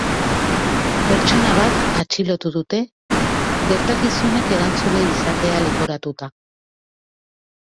Pertsona bat atxilotu dute, gertakizunek erantzule izatea leporatuta.